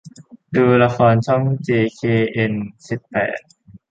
ดูละครช่องเจเคเอ็นสิบแปด